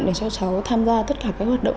để cho cháu tham gia tất cả các hoạt động